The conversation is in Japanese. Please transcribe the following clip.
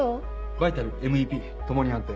バイタルＭＥＰともに安定。